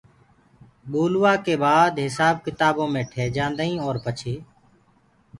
ٻولوآ ڪي بآد هسآب ڪتآبو مي ٺيجآندآئين اور پڇي